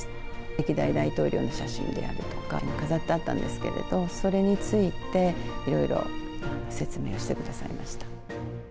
歴代大統領の写真であるとか、飾ってあったんですけれども、それについていろいろ説明をしてくださいました。